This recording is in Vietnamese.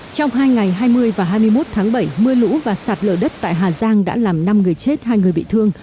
trong hai ngày hai mươi và hai mươi một tháng bảy mưa lũ và sạt lở đất tại hà giang đã làm năm người chết hai người bị thương